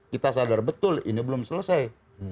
kita sadar betul ini belum selesai